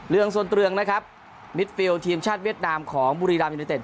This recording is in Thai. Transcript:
เรื่องส่วนตรวงนะครับมิดฟิลด์ทีมชาติเวียดนามของบุรีรามยนต์เอ็ด